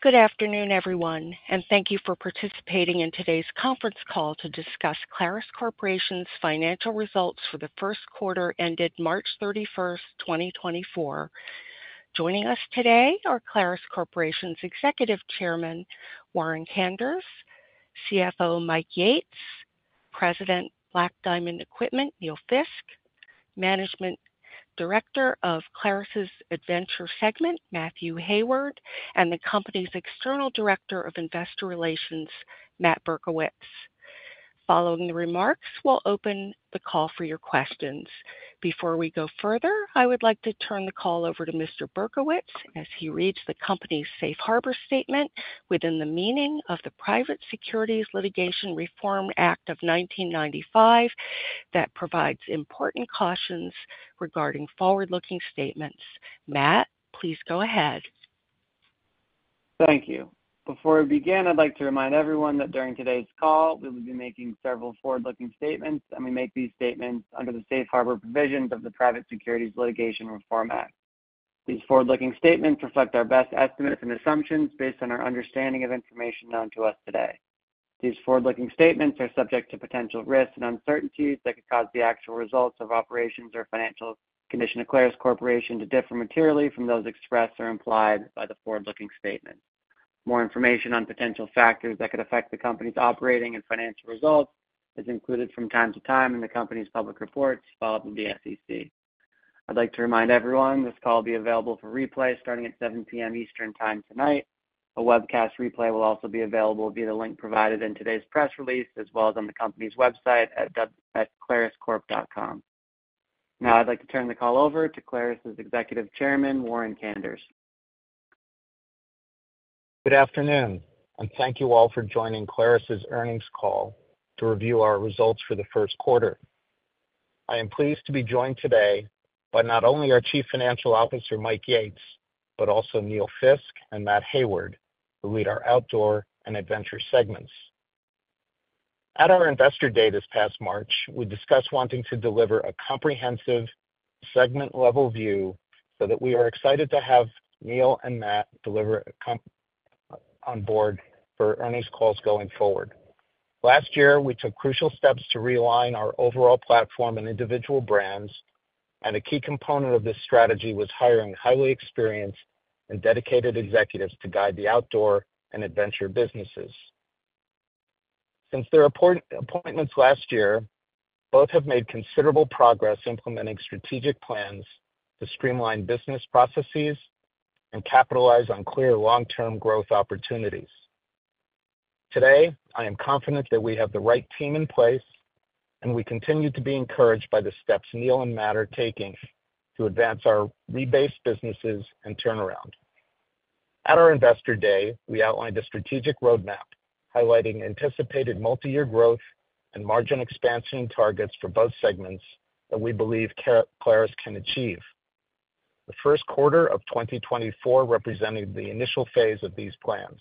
Good afternoon, everyone, and thank you for participating in today's conference call to discuss Clarus Corporation's financial results for the first quarter ended March 31, 2024. Joining us today are Clarus Corporation's Executive Chairman Warren Kanders, CFO Mike Yates, President Black Diamond Equipment Neil Fiske, Managing Director of Clarus's Adventure Segment Mathew Hayward, and the company's External Director of Investor Relations Matt Berkowitz. Following the remarks, we'll open the call for your questions. Before we go further, I would like to turn the call over to Mr. Berkowitz as he reads the company's safe harbor statement within the meaning of the Private Securities Litigation Reform Act of 1995 that provides important cautions regarding forward-looking statements. Matt, please go ahead. Thank you. Before we begin, I'd like to remind everyone that during today's call we will be making several forward-looking statements, and we make these statements under the safe harbor provisions of the Private Securities Litigation Reform Act. These forward-looking statements reflect our best estimates and assumptions based on our understanding of information known to us today. These forward-looking statements are subject to potential risks and uncertainties that could cause the actual results of operations or financial condition of Clarus Corporation to differ materially from those expressed or implied by the forward-looking statements. More information on potential factors that could affect the company's operating and financial results is included from time to time in the company's public reports followed by the SEC. I'd like to remind everyone this call will be available for replay starting at 7:00 P.M. Eastern Time tonight. A webcast replay will also be available via the link provided in today's press release as well as on the company's website at claruscorp.com. Now I'd like to turn the call over to Clarus's Executive Chairman Warren Kanders. Good afternoon, and thank you all for joining Clarus's earnings call to review our results for the first quarter. I am pleased to be joined today by not only our Chief Financial Officer Mike Yates but also Neil Fiske and Matt Hayward who lead our Outdoor and Adventure segments. At our investor day this past March, we discussed wanting to deliver a comprehensive segment-level view so that we are excited to have Neil and Matt deliver on board for earnings calls going forward. Last year we took crucial steps to realign our overall platform and individual brands, and a key component of this strategy was hiring highly experienced and dedicated executives to guide the Outdoor and Adventure businesses. Since their appointments last year, both have made considerable progress implementing strategic plans to streamline business processes and capitalize on clear long-term growth opportunities. Today I am confident that we have the right team in place, and we continue to be encouraged by the steps Neil and Matt are taking to advance our rebase businesses and turnaround. At our investor day we outlined a strategic roadmap highlighting anticipated multi-year growth and margin expansion targets for both segments that we believe Clarus can achieve. The first quarter of 2024 represented the initial phase of these plans.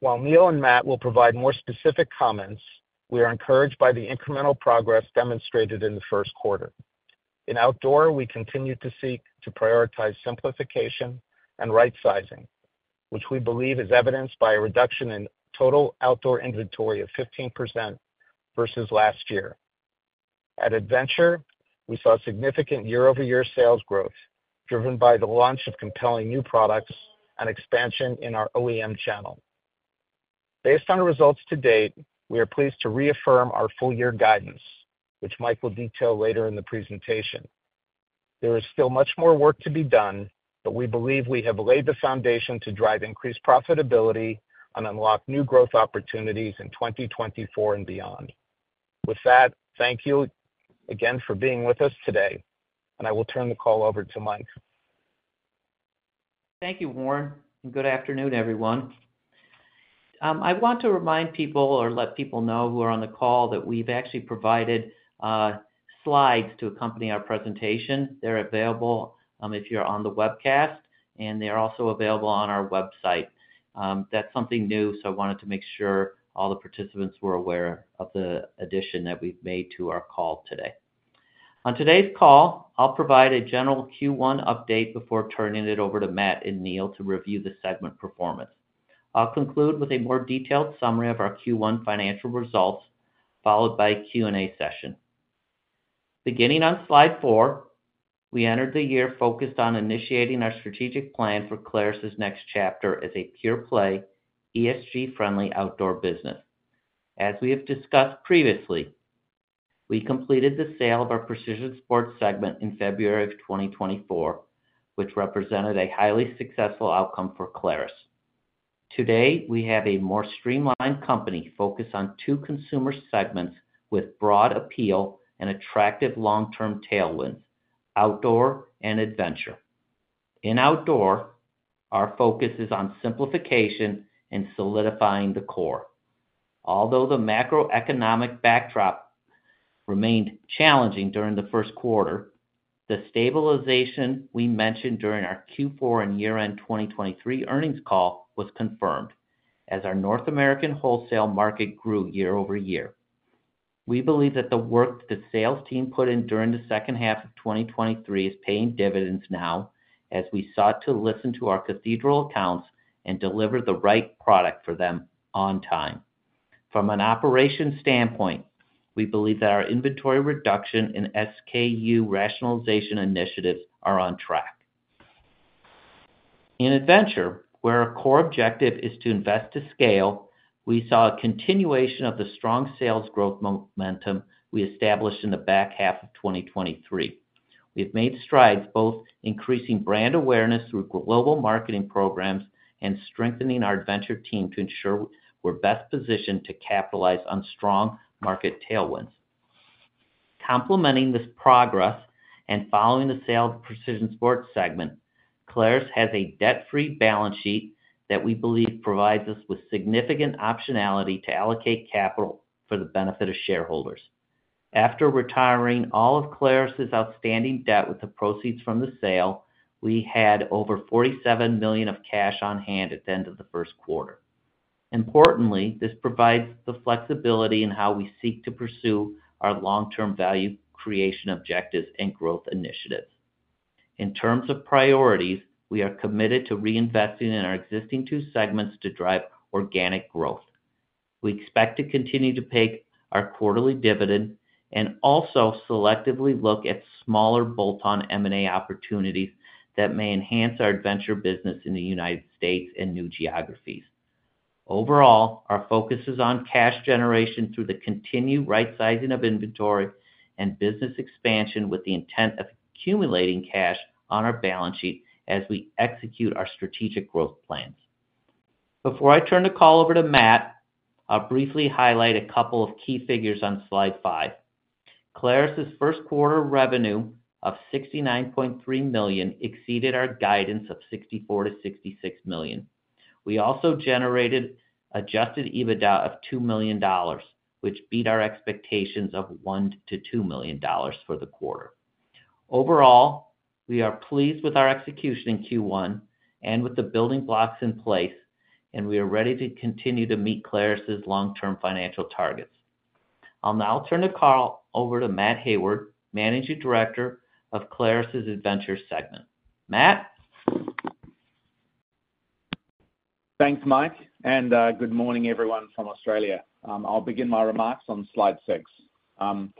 While Neil and Matt will provide more specific comments, we are encouraged by the incremental progress demonstrated in the first quarter. In Outdoor we continue to seek to prioritize simplification and right-sizing, which we believe is evidenced by a reduction in total Outdoor inventory of 15% versus last year. At Adventure we saw significant year-over-year sales growth driven by the launch of compelling new products and expansion in our OEM channel. Based on the results to date we are pleased to reaffirm our full-year guidance, which Mike will detail later in the presentation. There is still much more work to be done, but we believe we have laid the foundation to drive increased profitability and unlock new growth opportunities in 2024 and beyond. With that, thank you again for being with us today, and I will turn the call over to Mike. Thank you, Warren, and good afternoon, everyone. I want to remind people or let people know who are on the call that we've actually provided slides to accompany our presentation. They're available if you're on the webcast, and they're also available on our website. That's something new, so I wanted to make sure all the participants were aware of the addition that we've made to our call today. On today's call I'll provide a general Q1 update before turning it over to Matt and Neil to review the segment performance. I'll conclude with a more detailed summary of our Q1 financial results followed by a Q&A session. Beginning on slide four we entered the year focused on initiating our strategic plan for Clarus's next chapter as a pure-play, ESG-friendly outdoor business. As we have discussed previously, we completed the sale of our Precision Sport segment in February of 2024, which represented a highly successful outcome for Clarus. Today we have a more streamlined company focused on two consumer segments with broad appeal and attractive long-term tailwinds: Outdoor and Adventure. In Outdoor our focus is on simplification and solidifying the core. Although the macroeconomic backdrop remained challenging during the first quarter, the stabilization we mentioned during our Q4 and year-end 2023 earnings call was confirmed as our North American wholesale market grew year-over-year. We believe that the work the sales team put in during the second half of 2023 is paying dividends now as we sought to listen to our cathedral accounts and deliver the right product for them on time. From an operations standpoint we believe that our inventory reduction and SKU rationalization initiatives are on track. In Adventure, where our core objective is to invest to scale, we saw a continuation of the strong sales growth momentum we established in the back half of 2023. We have made strides both increasing brand awareness through global marketing programs and strengthening our Adventure team to ensure we're best positioned to capitalize on strong market tailwinds. Complementing this progress and following the sale of the Precision Sport segment, Clarus has a debt-free balance sheet that we believe provides us with significant optionality to allocate capital for the benefit of shareholders. After retiring all of Clarus's outstanding debt with the proceeds from the sale, we had over $47 million of cash on hand at the end of the first quarter. Importantly, this provides the flexibility in how we seek to pursue our long-term value creation objectives and growth initiatives. In terms of priorities we are committed to reinvesting in our existing two segments to drive organic growth. We expect to continue to pay our quarterly dividend and also selectively look at smaller bolt-on M&A opportunities that may enhance our adventure business in the United States and new geographies. Overall our focus is on cash generation through the continued right-sizing of inventory and business expansion with the intent of accumulating cash on our balance sheet as we execute our strategic growth plans. Before I turn the call over to Matt I'll briefly highlight a couple of key figures on slide five. Clarus's first quarter revenue of $69.3 million exceeded our guidance of $64 million-$66 million. We also generated Adjusted EBITDA of $2 million, which beat our expectations of $1 million-$2 million for the quarter. Overall we are pleased with our execution in Q1 and with the building blocks in place, and we are ready to continue to meet Clarus's long-term financial targets. I'll now turn the call over to Mathew Hayward, Managing Director of Clarus's Adventure segment. Matt? Thanks, Mike, and good morning everyone from Australia. I'll begin my remarks on slide six. I'm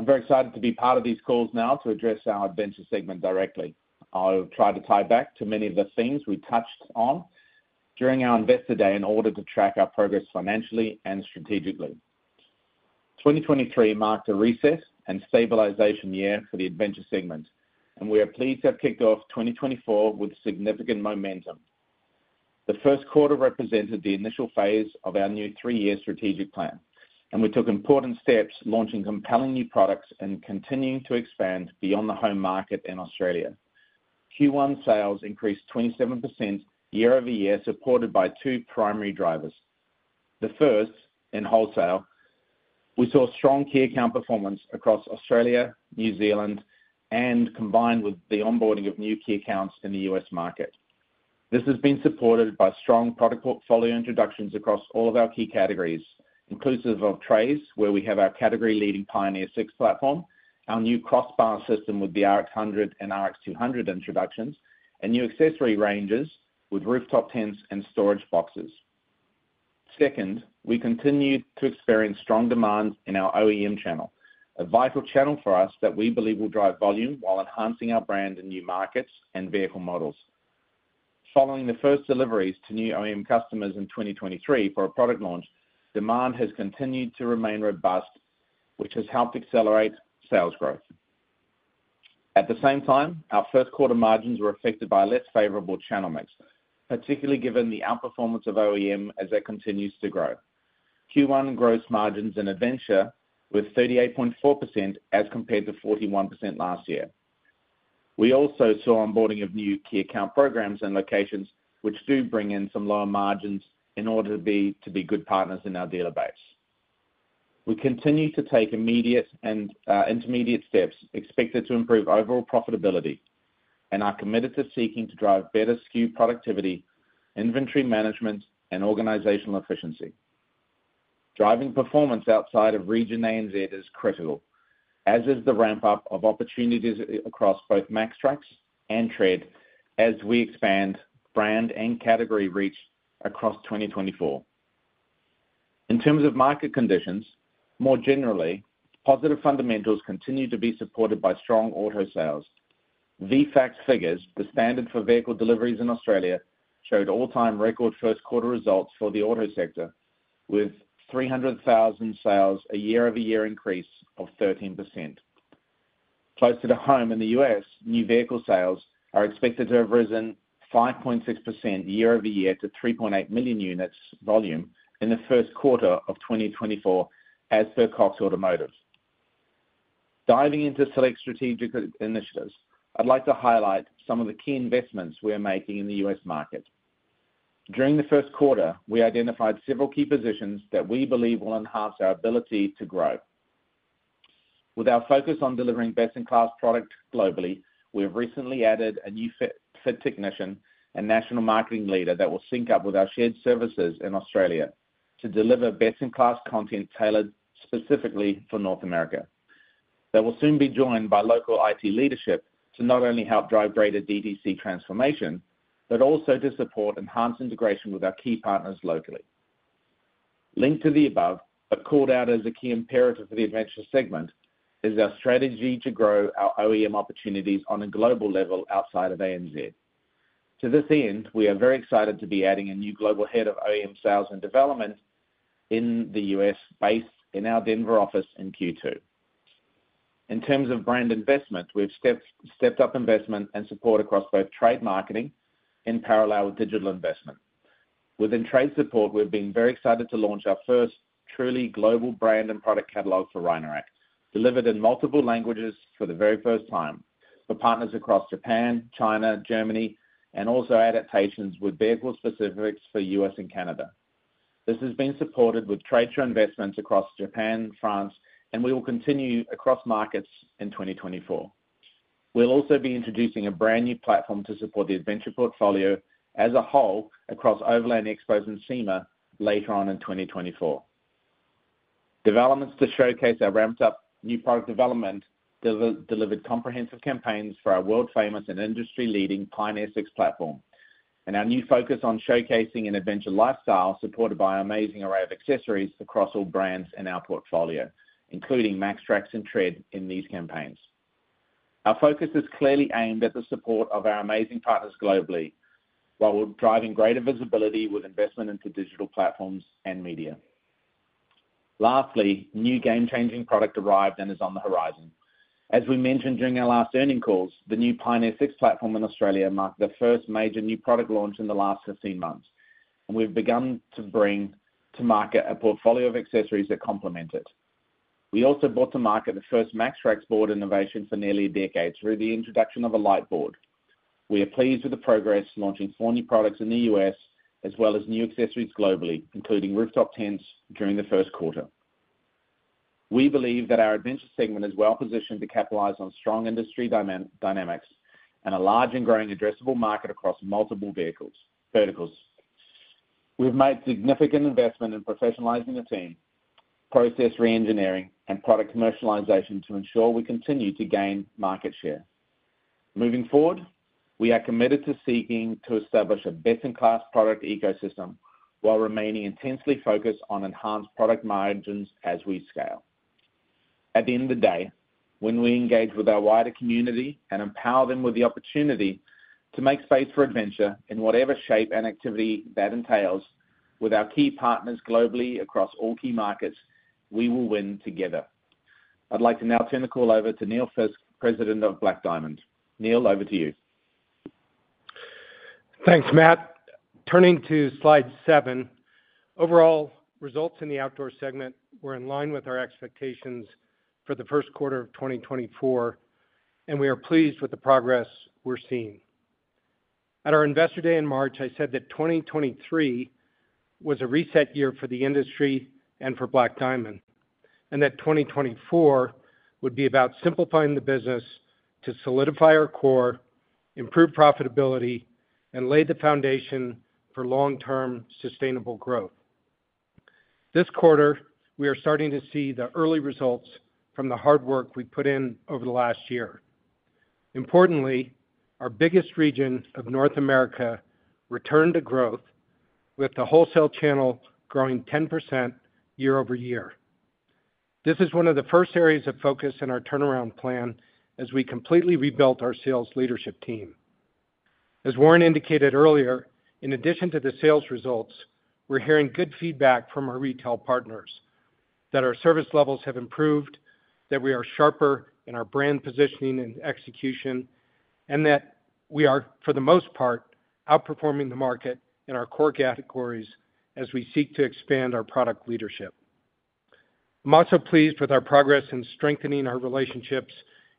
very excited to be part of these calls now to address our Adventure segment directly. I'll try to tie back to many of the things we touched on during our investor day in order to track our progress financially and strategically. 2023 marked a reset and stabilization year for the Adventure segment, and we are pleased to have kicked off 2024 with significant momentum. The first quarter represented the initial phase of our new three-year strategic plan, and we took important steps launching compelling new products and continuing to expand beyond the home market in Australia. Q1 sales increased 27% year-over-year supported by two primary drivers. The first, in wholesale, we saw strong key account performance across Australia, New Zealand, and, combined with the onboarding of new key accounts in the U.S. market. This has been supported by strong product portfolio introductions across all of our key categories, inclusive of trays where we have our category-leading Pioneer 6 platform, our new crossbar system with the RX100 and RX200 introductions, and new accessory ranges with rooftop tents and storage boxes. Second, we continued to experience strong demand in our OEM channel, a vital channel for us that we believe will drive volume while enhancing our brand in new markets and vehicle models. Following the first deliveries to new OEM customers in 2023 for a product launch, demand has continued to remain robust, which has helped accelerate sales growth. At the same time, our first quarter margins were affected by less favorable channel mix, particularly given the outperformance of OEM as that continues to grow. Q1 gross margins in Adventure were 38.4% as compared to 41% last year. We also saw onboarding of new key account programs and locations, which do bring in some lower margins in order to be good partners in our dealer base. We continue to take immediate and intermediate steps expected to improve overall profitability, and are committed to seeking to drive better SKU productivity, inventory management, and organizational efficiency. Driving performance outside of ANZ is critical, as is the ramp-up of opportunities across both MAXTRAX and TRED as we expand brand and category reach across 2024. In terms of market conditions, more generally, positive fundamentals continue to be supported by strong auto sales. VFACTS figures, the standard for vehicle deliveries in Australia, showed all-time record first quarter results for the auto sector with 300,000 sales, a year-over-year increase of 13%. Close to home in the U.S., new vehicle sales are expected to have risen 5.6% year-over-year to 3.8 million units volume in the first quarter of 2024 as per Cox Automotive. Diving into select strategic initiatives, I'd like to highlight some of the key investments we are making in the U.S. market. During the first quarter we identified several key positions that we believe will enhance our ability to grow. With our focus on delivering best-in-class product globally, we have recently added a new fit technician and national marketing leader that will sync up with our shared services in Australia to deliver best-in-class content tailored specifically for North America. They will soon be joined by local IT leadership to not only help drive greater DTC transformation but also to support enhanced integration with our key partners locally. Linked to the above, but called out as a key imperative for the Adventure segment is our strategy to grow our OEM opportunities on a global level outside of ANZ. To this end, we are very excited to be adding a new global head of OEM sales and development in the U.S. based in our Denver office in Q2. In terms of brand investment we've stepped up investment and support across both trade marketing in parallel with digital investment. Within trade support we've been very excited to launch our first truly global brand and product catalog for Rhino-Rack, delivered in multiple languages for the very first time for partners across Japan, China, Germany, and also adaptations with vehicle specifics for U.S. and Canada. This has been supported with trade show investments across Japan, France, and we will continue across markets in 2024. We'll also be introducing a brand new platform to support the adventure portfolio as a whole across Overland Expo and SEMA later on in 2024. Developments to showcase our ramped-up new product development delivered comprehensive campaigns for our world-famous and industry-leading Pioneer 6 platform, and our new focus on showcasing an adventure lifestyle supported by an amazing array of accessories across all brands in our portfolio, including MAXTRAX and TRED in these campaigns. Our focus is clearly aimed at the support of our amazing partners globally while driving greater visibility with investment into digital platforms and media. Lastly, new game-changing product arrived and is on the horizon. As we mentioned during our last earnings calls, the new Pioneer 6 platform in Australia marked the first major new product launch in the last 15 months, and we've begun to bring to market a portfolio of accessories that complement it. We also brought to market the first MAXTRAX board innovation for nearly a decade through the introduction of a LITE board. We are pleased with the progress launching four new products in the U.S. as well as new accessories globally, including rooftop tents during the first quarter. We believe that our Adventure segment is well positioned to capitalize on strong industry dynamics and a large and growing addressable market across multiple verticals. We've made significant investment in professionalizing the team, process re-engineering, and product commercialization to ensure we continue to gain market share. Moving forward we are committed to seeking to establish a best-in-class product ecosystem while remaining intensely focused on enhanced product margins as we scale. At the end of the day, when we engage with our wider community and empower them with the opportunity to make space for adventure in whatever shape and activity that entails, with our key partners globally across all key markets, we will win together. I'd like to now turn the call over to Neil, President of Black Diamond. Neil, over to you. Thanks, Matt. Turning to slide seven. Overall results in the Outdoor segment were in line with our expectations for the first quarter of 2024, and we are pleased with the progress we're seeing. At our investor day in March I said that 2023 was a reset year for the industry and for Black Diamond, and that 2024 would be about simplifying the business to solidify our core, improve profitability, and lay the foundation for long-term sustainable growth. This quarter we are starting to see the early results from the hard work we put in over the last year. Importantly our biggest region of North America returned to growth with the wholesale channel growing 10% year-over-year. This is one of the first areas of focus in our turnaround plan as we completely rebuilt our sales leadership team. As Warren indicated earlier, in addition to the sales results we're hearing good feedback from our retail partners that our service levels have improved, that we are sharper in our brand positioning and execution, and that we are for the most part outperforming the market in our core categories as we seek to expand our product leadership. I'm also pleased with our progress in strengthening our relationships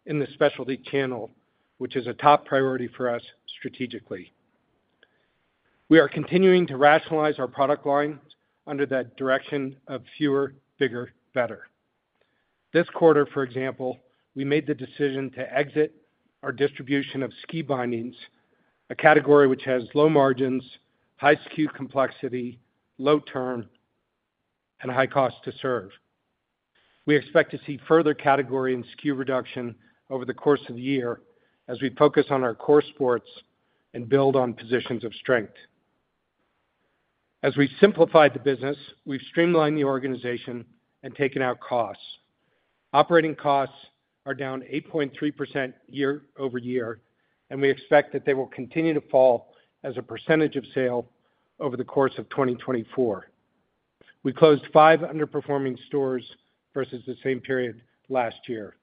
in the specialty channel, which is a top priority for us strategically. We are continuing to rationalize our product lines under that direction of fewer, bigger, better. This quarter, for example, we made the decision to exit our distribution of ski bindings, a category which has low margins, high SKU complexity, low turn, and high cost to serve. We expect to see further category and SKU reduction over the course of the year as we focus on our core sports and build on positions of strength. As we simplified the business we've streamlined the organization and taken out costs. Operating costs are down 8.3% year-over-year, and we expect that they will continue to fall as a percentage of sales over the course of 2024. We closed five underperforming stores versus the same period last year.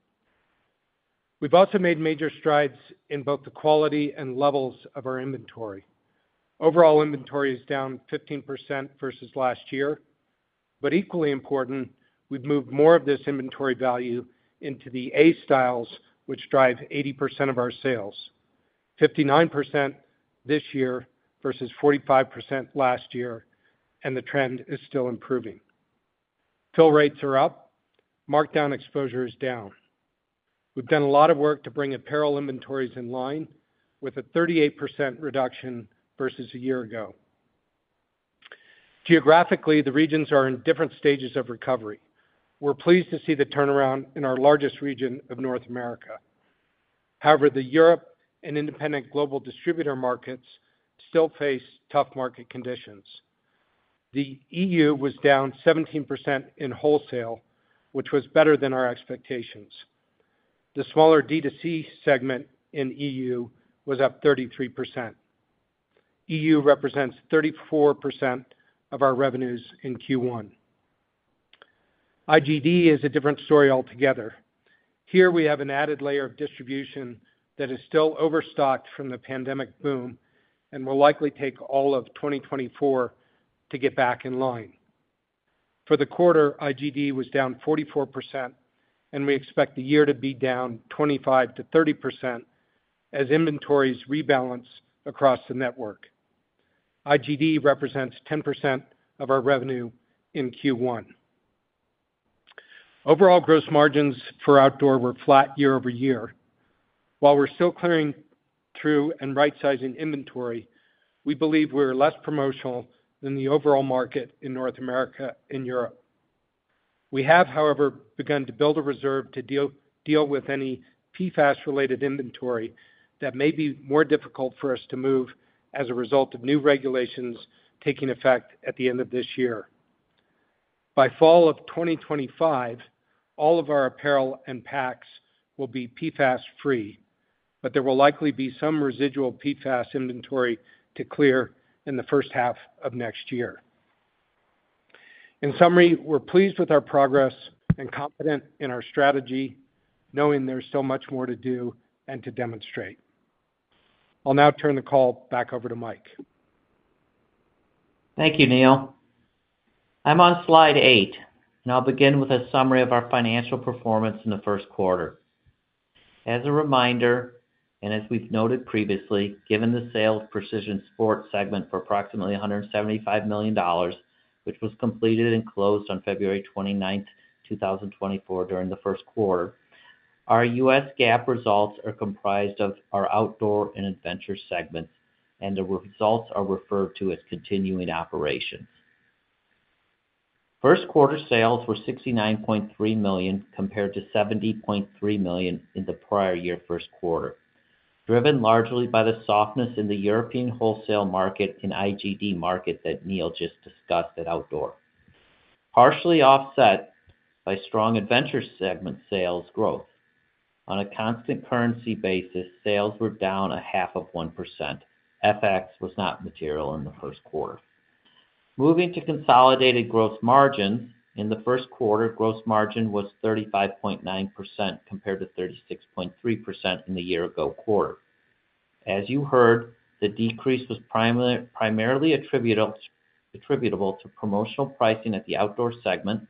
We've also made major strides in both the quality and levels of our inventory. Overall inventory is down 15% versus last year, but equally important we've moved more of this inventory value into the A-styles which drive 80% of our sales, 59% this year versus 45% last year, and the trend is still improving. Fill rates are up, markdown exposure is down. We've done a lot of work to bring apparel inventories in line with a 38% reduction versus a year ago. Geographically, the regions are in different stages of recovery. We're pleased to see the turnaround in our largest region of North America. However, the European and independent global distributor markets still face tough market conditions. The EU was down 17% in wholesale, which was better than our expectations. The smaller DTC segment in EU was up 33%. EU represents 34% of our revenues in Q1. IGD is a different story altogether. Here we have an added layer of distribution that is still overstocked from the pandemic boom and will likely take all of 2024 to get back in line. For the quarter IGD was down 44%, and we expect the year to be down 25%-30% as inventories rebalance across the network. IGD represents 10% of our revenue in Q1. Overall gross margins for Outdoor were flat year-over-year. While we're still clearing through and right-sizing inventory, we believe we're less promotional than the overall market in North America and Europe. We have, however, begun to build a reserve to deal with any PFAS-related inventory that may be more difficult for us to move as a result of new regulations taking effect at the end of this year. By fall of 2025, all of our apparel and packs will be PFAS-free, but there will likely be some residual PFAS inventory to clear in the first half of next year. In summary, we're pleased with our progress and confident in our strategy knowing there's still much more to do and to demonstrate. I'll now turn the call back over to Mike. Thank you, Neil. I'm on slide eight, and I'll begin with a summary of our financial performance in the first quarter. As a reminder and as we've noted previously, given the sale of the Precision Sport segment for approximately $175 million, which was completed and closed on February 29th, 2024 during the first quarter, our US GAAP results are comprised of our Outdoor and Adventure segments, and the results are referred to as continuing operations. First quarter sales were $69.3 million compared to $70.3 million in the prior year first quarter, driven largely by the softness in the European wholesale market and IGD market that Neil just discussed at Outdoor. Partially offset by strong Adventure segment sales growth. On a constant currency basis sales were down 0.5%. FX was not material in the first quarter. Moving to consolidated gross margins, in the first quarter, gross margin was 35.9% compared to 36.3% in the year-ago quarter. As you heard, the decrease was primarily attributable to promotional pricing at the Outdoor segment,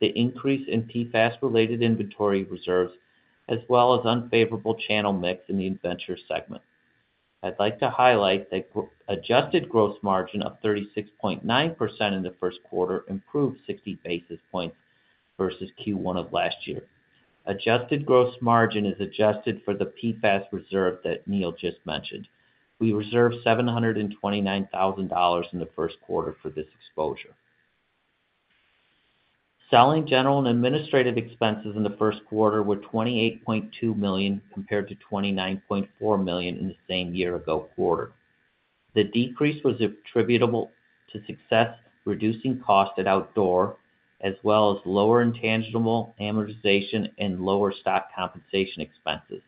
the increase in PFAS-related inventory reserves, as well as unfavorable channel mix in the Adventure segment. I'd like to highlight that adjusted gross margin of 36.9% in the first quarter improved 60 basis points versus Q1 of last year. Adjusted gross margin is adjusted for the PFAS reserve that Neil just mentioned. We reserved $729,000 in the first quarter for this exposure. Selling general and administrative expenses in the first quarter were $28.2 million compared to $29.4 million in the same year-ago quarter. The decrease was attributable to success reducing cost at Outdoor as well as lower intangible amortization and lower stock compensation expenses.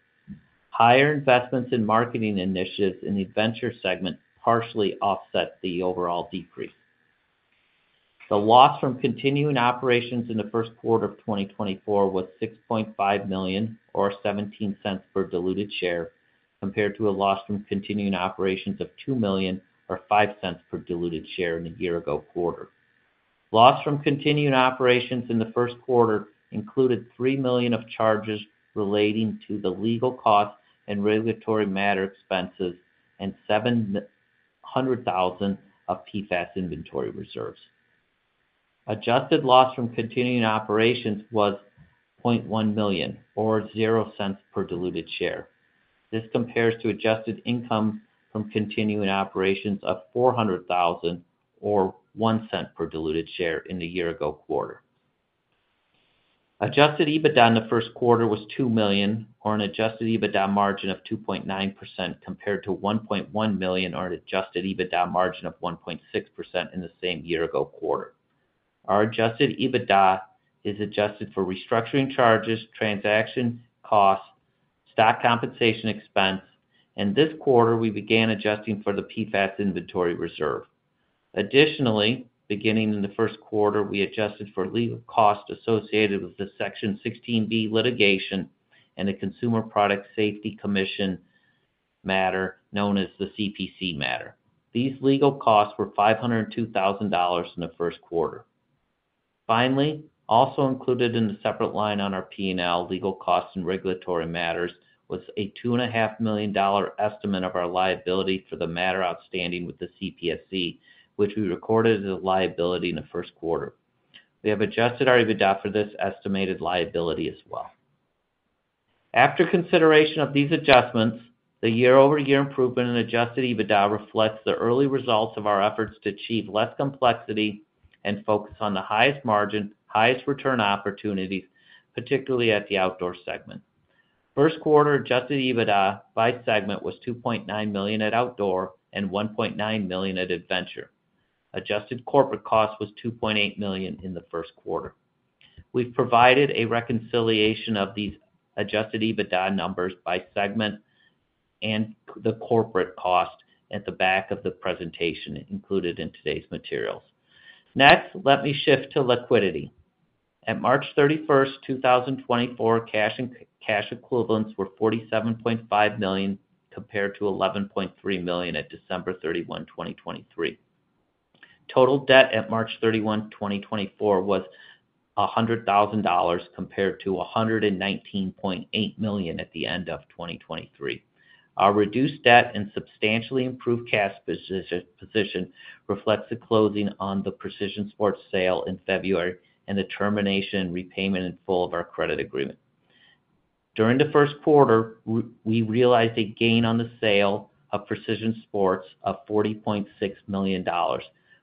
Higher investments in marketing initiatives in the Adventure segment partially offset the overall decrease. The loss from continuing operations in the first quarter of 2024 was $6.5 million or $0.17 per diluted share compared to a loss from continuing operations of $2 million or $0.05 per diluted share in the year-ago quarter. Loss from continuing operations in the first quarter included $3 million of charges relating to the legal costs and regulatory matter expenses and $700,000 of PFAS inventory reserves. Adjusted loss from continuing operations was $0.1 million or $0.00 per diluted share. This compares to adjusted income from continuing operations of $400,000 or $0.01 per diluted share in the year-ago quarter. Adjusted EBITDA in the first quarter was $2 million or an adjusted EBITDA margin of 2.9% compared to $1.1 million or an adjusted EBITDA margin of 1.6% in the same year-ago quarter. Our adjusted EBITDA is adjusted for restructuring charges, transaction costs, stock compensation expense, and this quarter we began adjusting for the PFAS inventory reserve. Additionally, beginning in the first quarter we adjusted for legal costs associated with the Section 16(b) litigation and the Consumer Product Safety Commission matter known as the CPSC matter. These legal costs were $502,000 in the first quarter. Finally, also included in a separate line on our P&L legal costs and regulatory matters was a $2.5 million estimate of our liability for the matter outstanding with the CPSC, which we recorded as a liability in the first quarter. We have adjusted our EBITDA for this estimated liability as well. After consideration of these adjustments the year-over-year improvement in adjusted EBITDA reflects the early results of our efforts to achieve less complexity and focus on the highest margin, highest return opportunities, particularly at the Outdoor segment. First quarter Adjusted EBITDA by segment was $2.9 million at Outdoor and $1.9 million at Adventure. Adjusted corporate cost was $2.8 million in the first quarter. We've provided a reconciliation of these adjusted EBITDA numbers by segment and the corporate cost at the back of the presentation included in today's materials. Next let me shift to liquidity. At March 31st, 2024 cash equivalents were $47.5 million compared to $11.3 million at December 31, 2023. Total debt at March 31, 2024 was $100,000 compared to $119.8 million at the end of 2023. Our reduced debt and substantially improved cash position reflects the closing on the Precision Sport sale in February and the termination and repayment in full of our credit agreement. During the first quarter we realized a gain on the sale of Precision Sport of $40.6 million,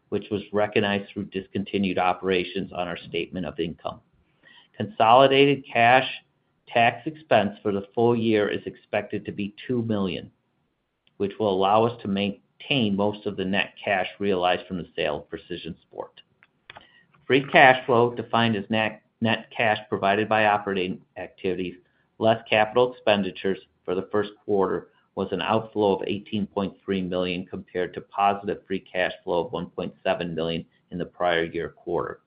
which was recognized through discontinued operations on our statement of income. Consolidated cash tax expense for the full year is expected to be $2 million, which will allow us to maintain most of the net cash realized from the sale of precision sport. Free cash flow defined as net cash provided by operating activities, less capital expenditures for the first quarter was an outflow of $18.3 million compared to positive free cash flow of $1.7 million in the prior year quarter.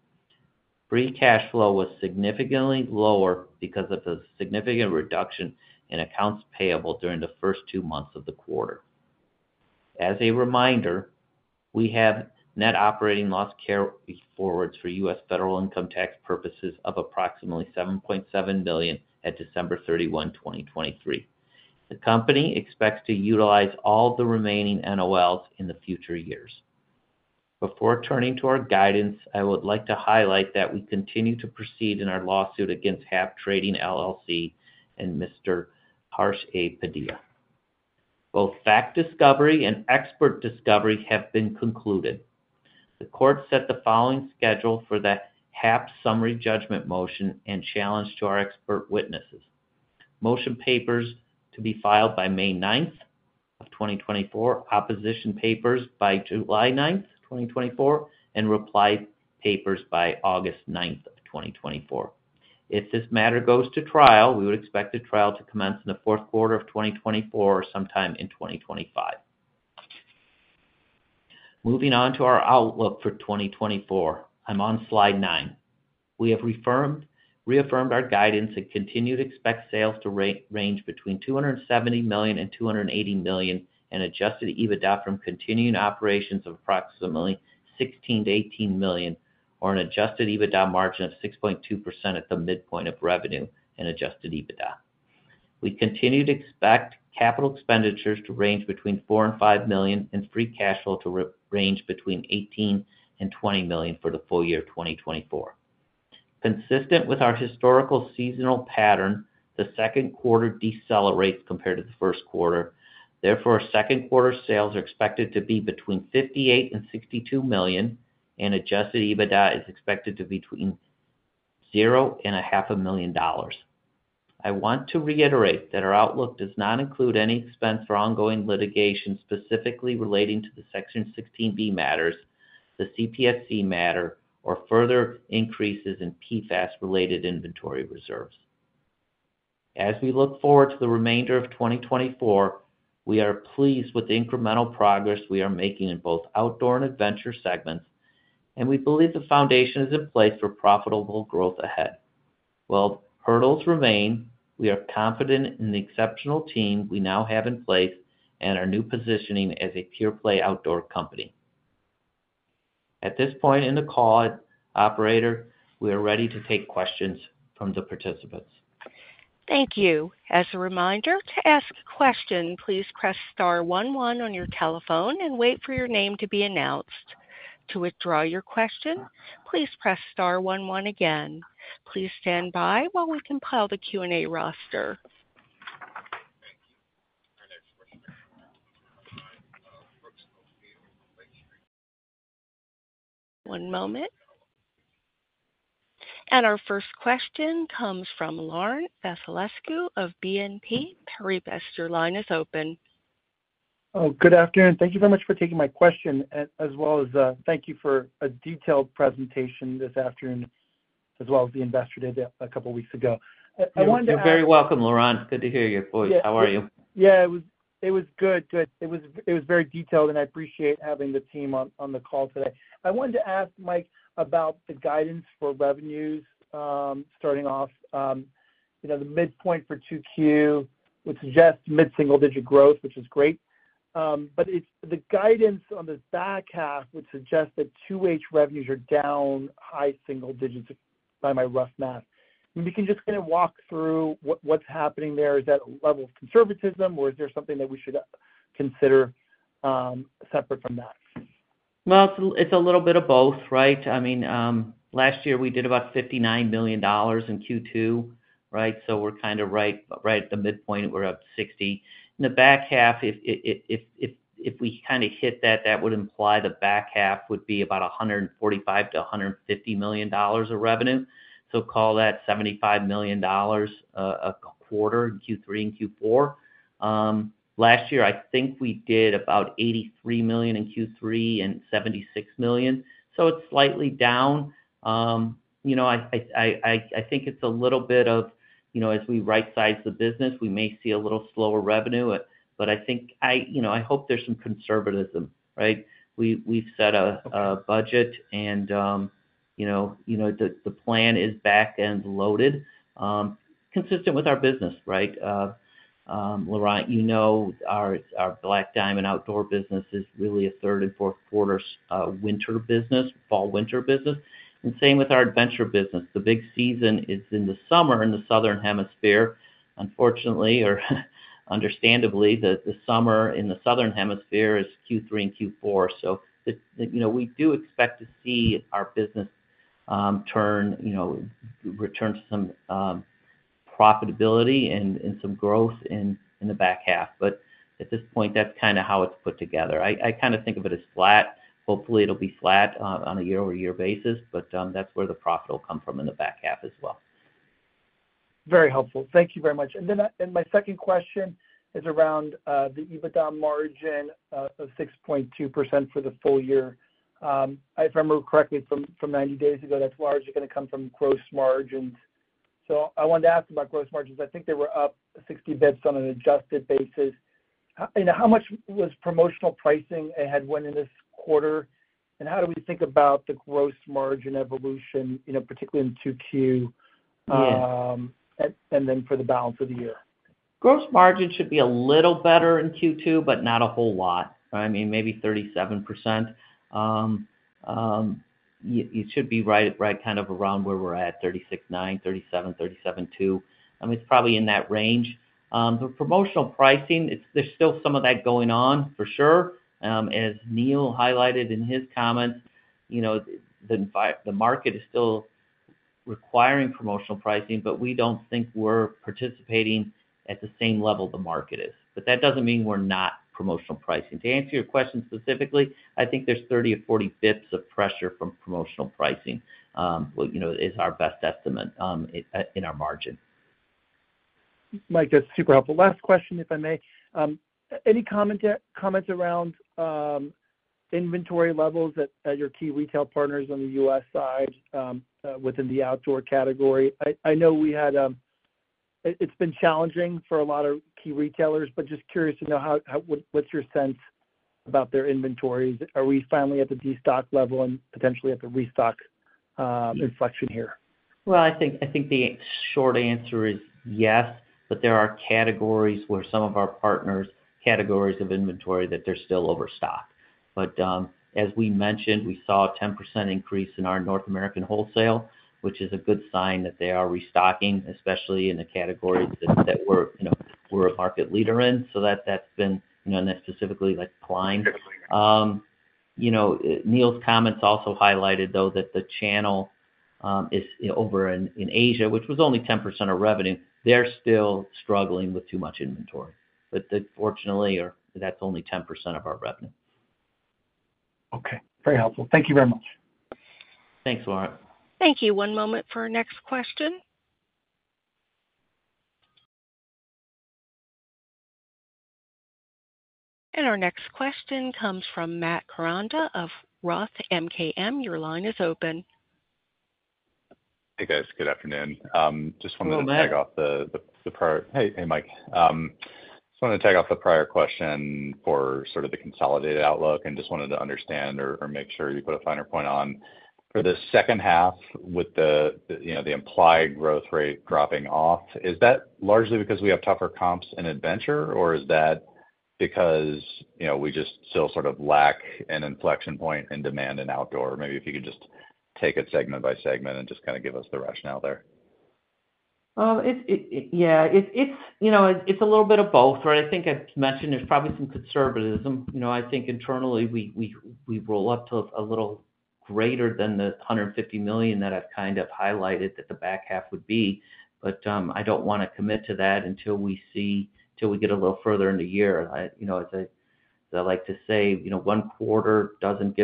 Free cash flow was significantly lower because of the significant reduction in accounts payable during the first two months of the quarter. As a reminder, we have net operating loss forwards for U.S. federal income tax purposes of approximately $7.7 million at December 31, 2023. The company expects to utilize all the remaining NOLs in the future years. Before turning to our guidance, I would like to highlight that we continue to proceed in our lawsuit against HAP Trading, LLC and Mr. Harsh A. Padia. Both fact discovery and expert discovery have been concluded. The court set the following schedule for the HAP summary judgment motion and challenge to our expert witnesses. Motion papers to be filed by May 9th, 2024, opposition papers by July 9th, 2024, and reply papers by August 9th, 2024. If this matter goes to trial we would expect the trial to commence in the fourth quarter of 2024 or sometime in 2025. Moving on to our outlook for 2024. I'm on slide nine. We have reaffirmed our guidance and continue to expect sales to range between $270 million and $280 million and adjusted EBITDA from continuing operations of approximately $16 million-$18 million or an adjusted EBITDA margin of 6.2% at the midpoint of revenue and adjusted EBITDA. We continue to expect capital expenditures to range between $4 million-$5 million and free cash flow to range between $18 million-$20 million for the full year 2024. Consistent with our historical seasonal pattern, the second quarter decelerates compared to the first quarter; therefore, second quarter sales are expected to be between $58 million-$62 million and adjusted EBITDA is expected to be between $0 and $0.5 million. I want to reiterate that our outlook does not include any expense for ongoing litigation specifically relating to the Section 16(b) matters, the CPSC matter, or further increases in PFAS-related inventory reserves. As we look forward to the remainder of 2024, we are pleased with the incremental progress we are making in both Outdoor and Adventure segments, and we believe the foundation is in place for profitable growth ahead. While hurdles remain, we are confident in the exceptional team we now have in place and our new positioning as a pure-play outdoor company. At this point in the call, operator, we are ready to take questions from the participants. Thank you. As a reminder, to ask a question please press star 11 on your telephone and wait for your name to be announced. To withdraw your question please press star 11 again. Please stand by while we compile the Q&A roster. One moment. And our first question comes from Laurent Vasilescu of BNP Paribas. Your line is open. Good afternoon. Thank you very much for taking my question as well as thank you for a detailed presentation this afternoon as well as the investor day a couple of weeks ago. I wanted to ask. You're very welcome, Laurent. Good to hear your voice. How are you? Yeah, it was good, good. It was very detailed and I appreciate having the team on the call today. I wanted to ask Mike about the guidance for revenues starting off. The midpoint for 2Q would suggest mid-single-digit growth, which is great. But the guidance on the back half would suggest that 2H revenues are down high single digits by my rough math. If you can just kind of walk through what's happening there, is that a level of conservatism or is there something that we should consider separate from that? Well, it's a little bit of both, right? I mean, last year we did about $59 million in Q2, right? So we're kind of right at the midpoint. We're up $60 million. In the back half, if we kind of hit that, that would imply the back half would be about $145-$150 million of revenue. So call that $75 million a quarter in Q3 and Q4. Last year I think we did about $83 million in Q3 and $76 million. So it's slightly down. I think it's a little bit of as we right-size the business we may see a little slower revenue, but I think I hope there's some conservatism, right? We've set a budget and the plan is back-end loaded consistent with our business, right? Laurent, you know our Black Diamond outdoor business is really a third and fourth quarter winter business, fall-winter business. Same with our adventure business. The big season is in the summer in the southern hemisphere. Unfortunately or understandably, the summer in the southern hemisphere is Q3 and Q4. So we do expect to see our business return to some profitability and some growth in the back half. But at this point that's kind of how it's put together. I kind of think of it as flat. Hopefully it'll be flat on a year-over-year basis, but that's where the profit will come from in the back half as well. Very helpful. Thank you very much. Then my second question is around the EBITDA margin of 6.2% for the full year. If I remember correctly from 90 days ago that's largely going to come from gross margins. So I wanted to ask about gross margins. I think they were up 60 basis points on an adjusted basis. How much was promotional pricing a headwind in this quarter and how do we think about the gross margin evolution, particularly in 2Q and then for the balance of the year? Gross margin should be a little better in Q2 but not a whole lot. I mean, maybe 37%. It should be right kind of around where we're at, 36.9%, 37%, 37.2%. I mean, it's probably in that range. The promotional pricing, there's still some of that going on for sure. As Neil highlighted in his comments, the market is still requiring promotional pricing, but we don't think we're participating at the same level the market is. But that doesn't mean we're not promotional pricing. To answer your question specifically, I think there's 30 or 40 basis points of pressure from promotional pricing is our best estimate in our margin. Mike, that's super helpful. Last question if I may. Any comments around inventory levels at your key retail partners on the U.S. side within the outdoor category? I know it's been challenging for a lot of key retailers, but just curious to know what's your sense about their inventories? Are we finally at the destock level and potentially at the restock inflection here? Well, I think the short answer is yes, but there are categories where some of our partners' categories of inventory that they're still overstocked. But as we mentioned, we saw a 10% increase in our North American wholesale, which is a good sign that they are restocking, especially in the categories that we're a market leader in. So that's been and that's specifically climbing. Neil's comments also highlighted though that the channel is over in Asia, which was only 10% of revenue. They're still struggling with too much inventory. But fortunately, that's only 10% of our revenue. Okay. Very helpful. Thank you very much. Thanks, Laurent. Thank you. One moment for our next question. Our next question comes from Matt Koranda of Roth MKM. Your line is open. Hey guys. Good afternoon. Just wanted to tag off the prior question for sort of the consolidated outlook and just wanted to understand or make sure you put a finer point on. For the second half with the implied growth rate dropping off, is that largely because we have tougher comps in adventure or is that because we just still sort of lack an inflection point in demand in outdoor? Maybe if you could just take it segment by segment and just kind of give us the rationale there. Yeah. It's a little bit of both, right? I think I mentioned there's probably some conservatism. I think internally we roll up to a little greater than the $150 million that I've kind of highlighted that the back half would be, but I don't want to commit to that until we get a little further in the year. As I like to say, one quarter doesn't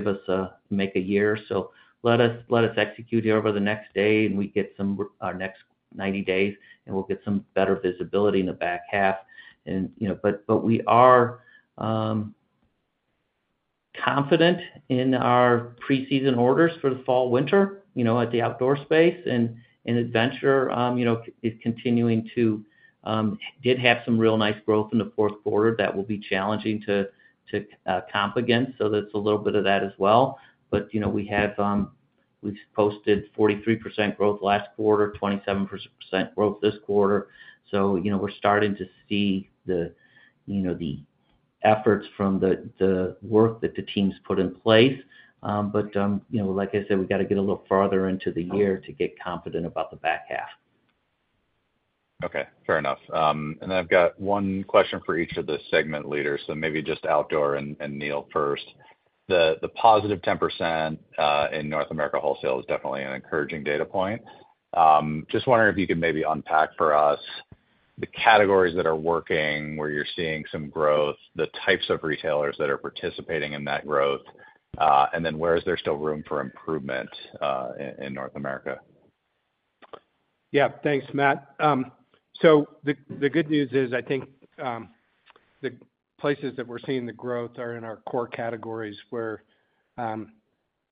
make a year. So let us execute here over the next 90 days and we'll get some better visibility in the back half. But we are confident in our preseason orders for the fall-winter at the outdoor space. And in adventure, it's continuing to have some real nice growth in the fourth quarter that will be challenging to comp against. So that's a little bit of that as well. But we've posted 43% growth last quarter, 27% growth this quarter. So we're starting to see the efforts from the work that the team's put in place. But like I said, we got to get a little farther into the year to get confident about the back half. Okay. Fair enough. And then I've got one question for each of the segment leaders. So maybe just Outdoor and Neil first. The positive 10% in North America wholesale is definitely an encouraging data point. Just wondering if you could maybe unpack for us the categories that are working where you're seeing some growth, the types of retailers that are participating in that growth, and then where is there still room for improvement in North America? Yeah. Thanks, Matt. So the good news is I think the places that we're seeing the growth are in our core categories where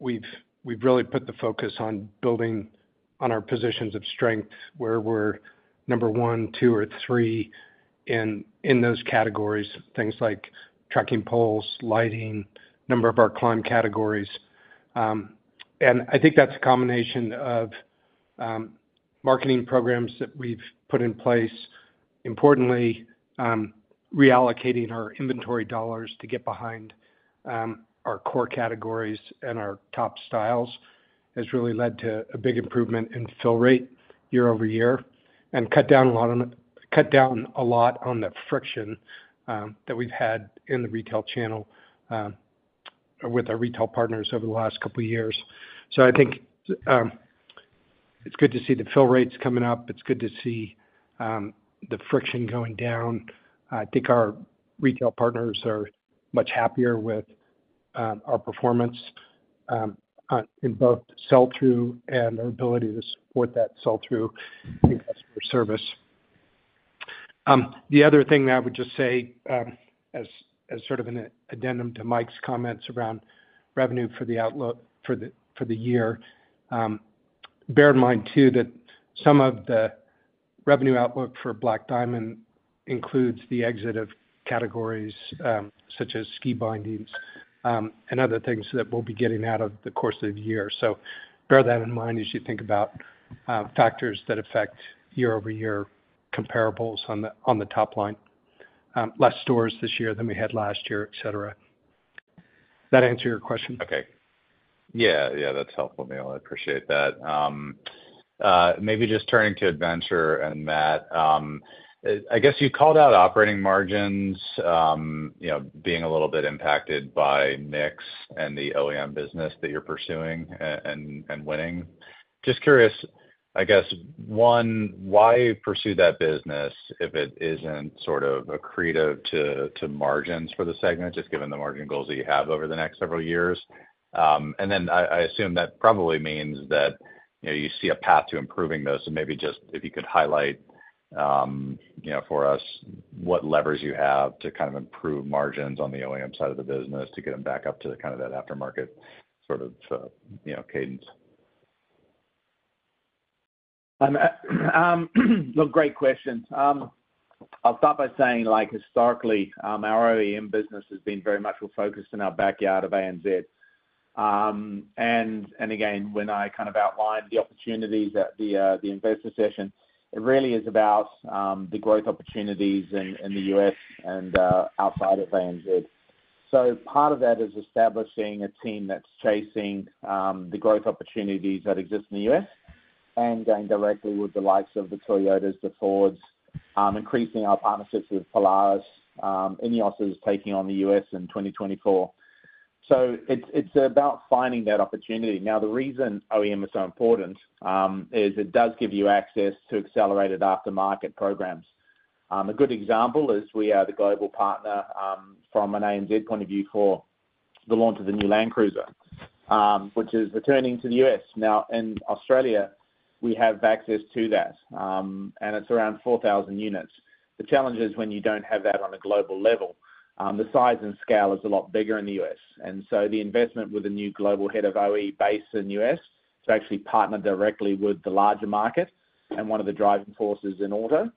we've really put the focus on building on our positions of strength where we're number one, two, or three in those categories, things like tracking poles, lighting, number of our climb categories. And I think that's a combination of marketing programs that we've put in place. Importantly, reallocating our inventory dollars to get behind our core categories and our top styles has really led to a big improvement in fill rate year-over-year and cut down a lot on the friction that we've had in the retail channel with our retail partners over the last couple of years. So I think it's good to see the fill rates coming up. It's good to see the friction going down. I think our retail partners are much happier with our performance in both sell-through and our ability to support that sell-through in customer service. The other thing that I would just say as sort of an addendum to Mike's comments around revenue for the year, bear in mind too that some of the revenue outlook for Black Diamond includes the exit of categories such as ski bindings and other things that we'll be getting out of the course of the year. So bear that in mind as you think about factors that affect year-over-year comparables on the top line. Less stores this year than we had last year, etc. Does that answer your question? Okay. Yeah. Yeah. That's helpful, Neil. I appreciate that. Maybe just turning to Adventure and Matt, I guess you called out operating margins being a little bit impacted by mix and the OEM business that you're pursuing and winning. Just curious, I guess, one, why pursue that business if it isn't sort of accretive to margins for the segment just given the margin goals that you have over the next several years? And then I assume that probably means that you see a path to improving those. So maybe just if you could highlight for us what levers you have to kind of improve margins on the OEM side of the business to get them back up to kind of that aftermarket sort of cadence. Look, great question. I'll start by saying historically, our OEM business has been very much focused on our backyard of ANZ. And again, when I kind of outlined the opportunities at the investor session, it really is about the growth opportunities in the U.S. and outside of ANZ. So part of that is establishing a team that's chasing the growth opportunities that exist in the U.S. and going directly with the likes of the Toyotas, the Fords, increasing our partnerships with Polaris, INEOS is taking on the U.S. in 2024. So it's about finding that opportunity. Now, the reason OEM is so important is it does give you access to accelerated aftermarket programs. A good example is we are the global partner from an ANZ point of view for the launch of the new Land Cruiser, which is returning to the U.S. Now, in Australia, we have access to that and it's around 4,000 units. The challenge is when you don't have that on a global level, the size and scale is a lot bigger in the U.S. And so the investment with a new global head of OEM based in the U.S. to actually partner directly with the larger market and one of the driving forces in auto,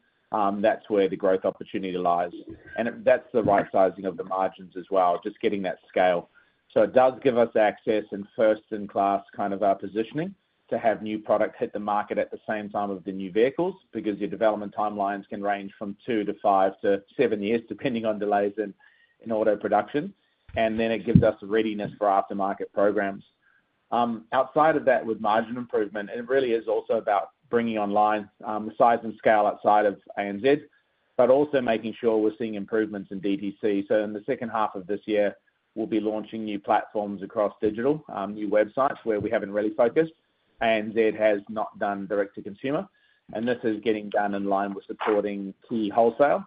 that's where the growth opportunity lies. And that's the right sizing of the margins as well, just getting that scale. So it does give us access and first-in-class kind of our positioning to have new product hit the market at the same time of the new vehicles because your development timelines can range from two to five to seven years depending on delays in auto production. And then it gives us readiness for aftermarket programs. Outside of that with margin improvement, it really is also about bringing online the size and scale outside of ANZ, but also making sure we're seeing improvements in DTC. So in the second half of this year, we'll be launching new platforms across digital, new websites where we haven't really focused. ANZ has not done direct-to-consumer. And this is getting done in line with supporting key wholesale.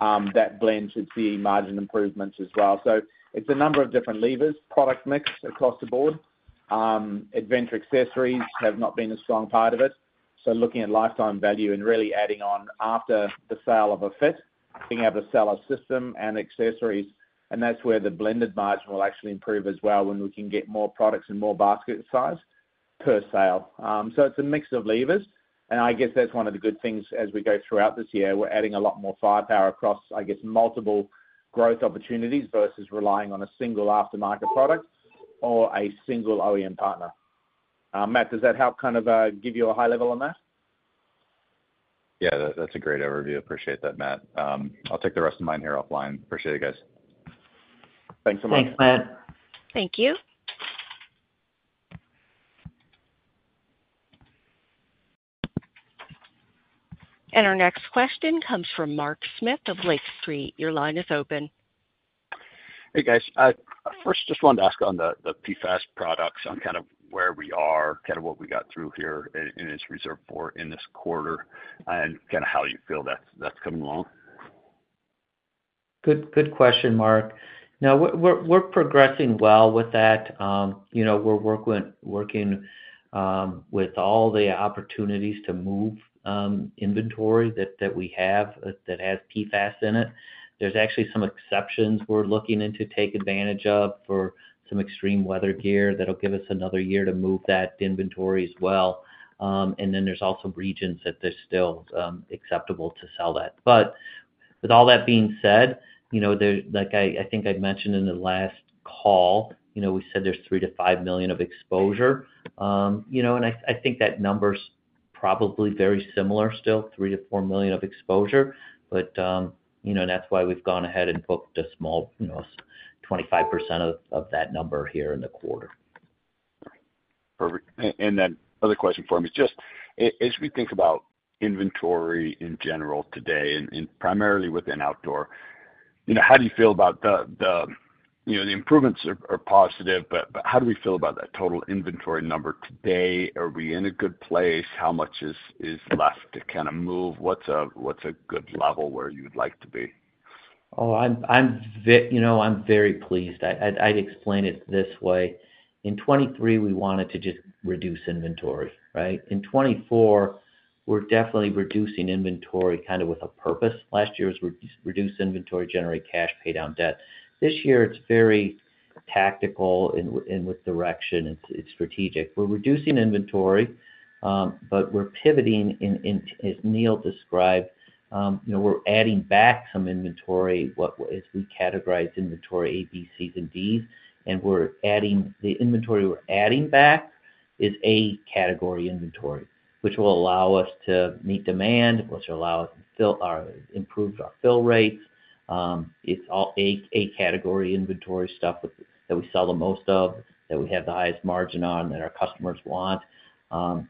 That blend should see margin improvements as well. So it's a number of different levers, product mix across the board. Adventure accessories have not been a strong part of it. So looking at lifetime value and really adding on after the sale of a fit, being able to sell a system and accessories. And that's where the blended margin will actually improve as well when we can get more products and more basket size per sale. So it's a mix of levers. I guess that's one of the good things as we go throughout this year, we're adding a lot more firepower across, I guess, multiple growth opportunities versus relying on a single aftermarket product or a single OEM partner. Matt, does that help kind of give you a high level on that? Yeah. That's a great overview. Appreciate that, Matt. I'll take the rest of mine here offline. Appreciate it, guys. Thanks so much. Thanks, Matt. Thank you. And our next question comes from Mark Smith of Lake Street. Your line is open. Hey, guys. First, just wanted to ask on the PFAS products, on kind of where we are, kind of what we got through here and is reserved for in this quarter, and kind of how you feel that's coming along. Good question, Mark. Now, we're progressing well with that. We're working with all the opportunities to move inventory that we have that has PFAS in it. There's actually some exceptions we're looking into to take advantage of for some extreme weather gear that'll give us another year to move that inventory as well. And then there's also regions that they're still acceptable to sell that. But with all that being said, like I think I mentioned in the last call, we said there's $3 million-$5 million of exposure. And I think that number's probably very similar still, $3 million-$4 million of exposure. But that's why we've gone ahead and booked a small 25% of that number here in the quarter. Perfect. Then another question for me is just as we think about inventory in general today and primarily within Outdoor, how do you feel about the improvements are positive, but how do we feel about that total inventory number today? Are we in a good place? How much is left to kind of move? What's a good level where you'd like to be? Oh, I'm very pleased. I'd explain it this way. In 2023, we wanted to just reduce inventory, right? In 2024, we're definitely reducing inventory kind of with a purpose. Last year was reduce inventory, generate cash, pay down debt. This year, it's very tactical and with direction. It's strategic. We're reducing inventory, but we're pivoting as Neil described. We're adding back some inventory as we categorize inventory A, B, Cs, and Ds. And the inventory we're adding back is A category inventory, which will allow us to meet demand, which will allow us to improve our fill rates. It's all A category inventory stuff that we sell the most of, that we have the highest margin on, that our customers want. So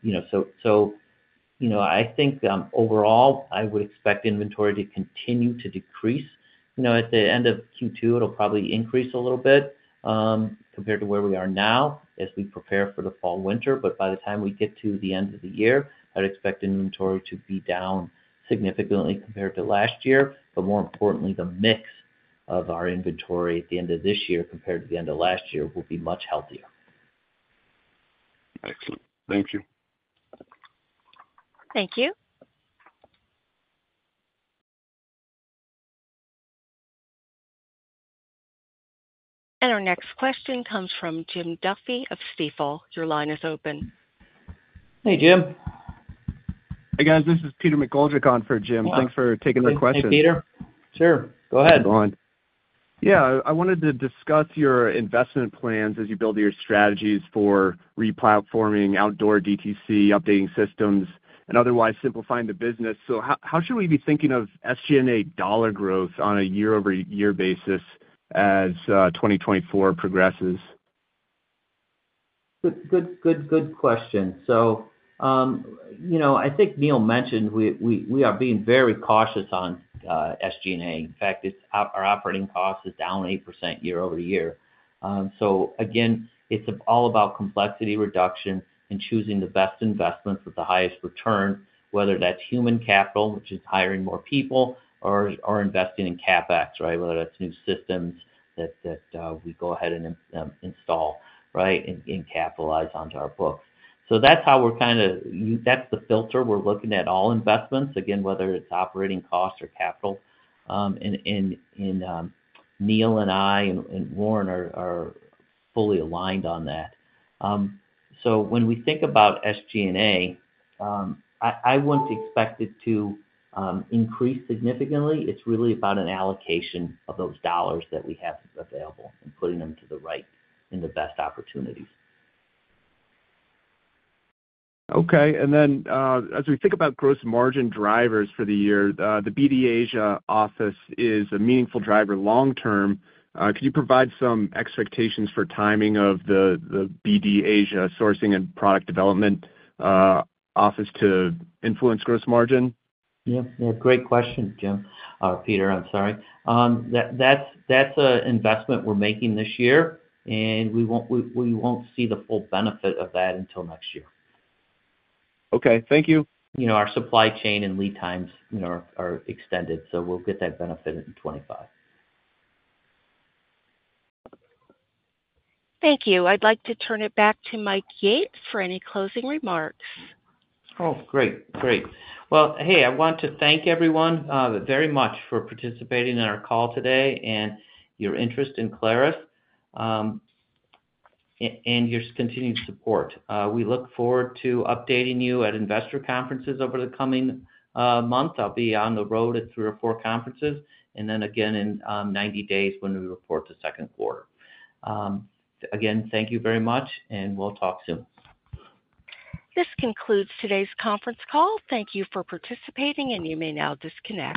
I think overall, I would expect inventory to continue to decrease. At the end of Q2, it'll probably increase a little bit compared to where we are now as we prepare for the fall-winter. But by the time we get to the end of the year, I'd expect inventory to be down significantly compared to last year. But more importantly, the mix of our inventory at the end of this year compared to the end of last year will be much healthier. Excellent. Thank you. Thank you. And our next question comes from Jim Duffy of Stifel. Your line is open. Hey, Jim. Hey, guys. This is Peter McGoldrick on for Jim. Thanks for taking the question. Hey, Peter. Sure. Go ahead. Go on. Yeah. I wanted to discuss your investment plans as you build your strategies for replatforming outdoor DTC, updating systems, and otherwise simplifying the business. So how should we be thinking of SG&A dollar growth on a year-over-year basis as 2024 progresses? Good, good, good question. So I think Neil mentioned we are being very cautious on SG&A. In fact, our operating cost is down 8% year-over-year. So again, it's all about complexity reduction and choosing the best investments with the highest return, whether that's human capital, which is hiring more people, or investing in CapEx, right, whether that's new systems that we go ahead and install, right, and capitalize onto our books. So that's how we're kind of, that's the filter we're looking at all investments, again, whether it's operating costs or capital. And Neil and I and Warren are fully aligned on that. So when we think about SG&A, I wouldn't expect it to increase significantly. It's really about an allocation of those dollars that we have available and putting them to the right in the best opportunities. Okay. And then as we think about gross margin drivers for the year, the BD Asia office is a meaningful driver long term. Could you provide some expectations for timing of the BD Asia sourcing and product development office to influence gross margin? Yeah. Yeah. Great question, Jim or Peter. I'm sorry. That's an investment we're making this year, and we won't see the full benefit of that until next year. Okay. Thank you. Our supply chain and lead times are extended, so we'll get that benefit in 2025. Thank you. I'd like to turn it back to Mike Yates for any closing remarks. Oh, great. Great. Well, hey, I want to thank everyone very much for participating in our call today and your interest in Clarus and your continued support. We look forward to updating you at investor conferences over the coming month. I'll be on the road at three or four conferences and then again in 90 days when we report the second quarter. Again, thank you very much, and we'll talk soon. This concludes today's conference call. Thank you for participating, and you may now disconnect.